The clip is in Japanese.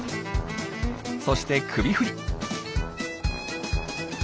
そして首振り。